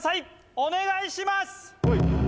お願いします